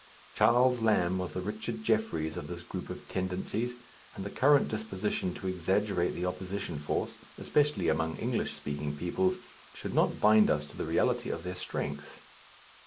Charles Lamb was the Richard Jefferies of this group of tendencies, and the current disposition to exaggerate the opposition force, especially among English speaking peoples, should not bind us to the reality of their strength.